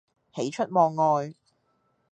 喜出望外